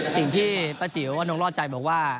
สิ่งที่ป้าจิ๋วว่าน้องรอดใจบอกว่า